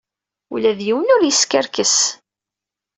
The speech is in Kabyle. Ula d yiwen ur yeskerkes.